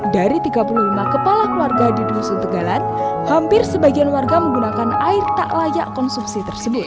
dari tiga puluh lima kepala keluarga di dusun tegalan hampir sebagian warga menggunakan air tak layak konsumsi tersebut